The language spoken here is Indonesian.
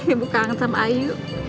ibu kangen sama ayu